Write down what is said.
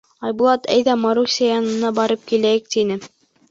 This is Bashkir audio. — Айбулат, әйҙә, Маруся янына барып киләйек, — тине.